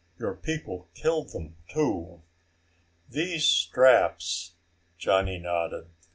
"Your people killed them, too. These straps...." Johnny nodded.